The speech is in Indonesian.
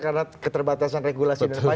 karena keterbatasan regulasi dan